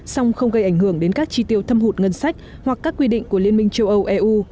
song không gây ảnh hưởng đến các chi tiêu thâm hụt ngân sách hoặc các quy định của liên minh châu âu eu